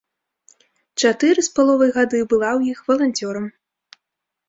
Чатыры з паловай гады была ў іх валанцёрам.